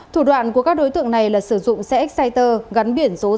thủ đoạn của các đối tượng này là sử dụng xe exciter gắn biển dố dài